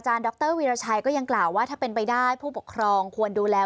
ดรวีรชัยก็ยังกล่าวว่าถ้าเป็นไปได้ผู้ปกครองควรดูแล